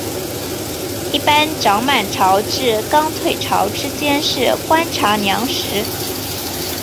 一般涨满潮至刚退潮之间是观察良时。